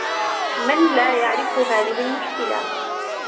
من لا يعرف هذه المشكلة ؟!